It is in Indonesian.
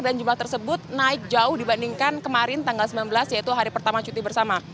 dan jumlah tersebut naik jauh dibandingkan kemarin tanggal sembilan belas yaitu hari pertama cuti bersama